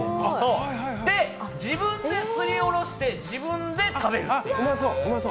で、自分ですり下ろして自分で食べる。